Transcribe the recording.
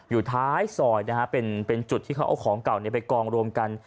อยู่ท้ายซอยนะฮะเป็นจุดที่เขาเอาของเก่าไปกองรวมกัน